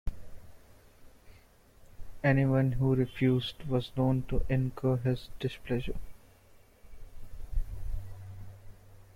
Anyone who refused was known to "incur his displeasure".